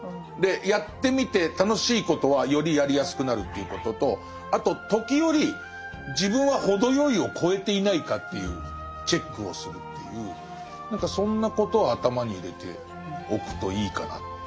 やってみて楽しいことはよりやりやすくなるということとあと時折自分は程よいを超えていないかというチェックをするっていう何かそんなことを頭に入れておくといいかな。